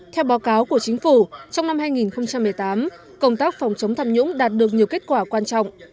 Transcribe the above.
theo báo cáo của chính phủ trong năm hai nghìn một mươi tám công tác phòng chống tham nhũng đạt được nhiều kết quả quan trọng